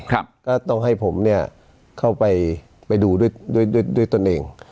ก็ต้องให้ผมเนี่ยเข้าไปไปดูด้วยด้วยตนเอง